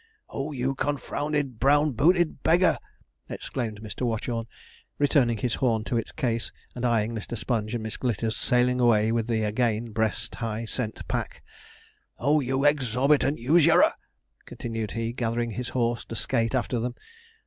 'Oh, you confounded brown bouted beggar!' exclaimed Mr. Watchorn, returning his horn to its case, and eyeing Mr. Sponge and Miss Glitters sailing away with the again breast high scent pack. 'Oh, you exorbitant usurer!' continued he, gathering his horse to skate after them.